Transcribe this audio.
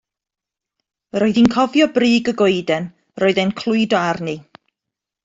Roedd hi'n cofio brig y goeden roedd e'n clwydo arni.